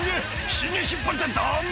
ヒゲ引っ張っちゃダメ！」